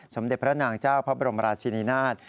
สมเด็จพระนางเจ้าพระบรมราชินินาศ